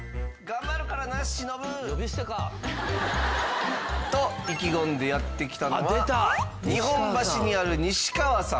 呼び捨てか。と意気込んでやって来たのは日本橋にある西川さん。